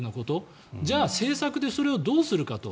じゃあ、政策でそれをどうするかと。